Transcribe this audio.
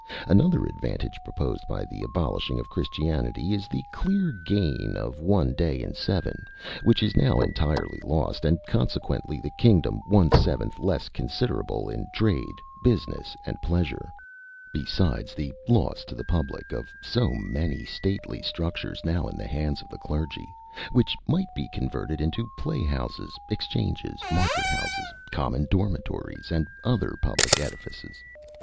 Another advantage proposed by the abolishing of Christianity is the clear gain of one day in seven, which is now entirely lost, and consequently the kingdom one seventh less considerable in trade, business, and pleasure; besides the loss to the public of so many stately structures now in the hands of the clergy, which might be converted into play houses, exchanges, market houses, common dormitories, and other public edifices.